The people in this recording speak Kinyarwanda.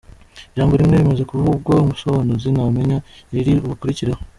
Ijambo rimwe rimaze kuvugwa umusobanuzi ntamenya iriri bukurikireho.